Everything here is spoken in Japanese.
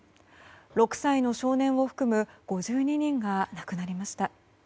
６歳の少年を含む５２人が亡くなりました。